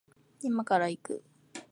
今から行く